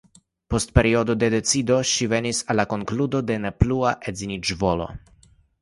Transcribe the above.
Post periodo de decido ŝi venis al la konkludo de ne plua edziniĝvolo.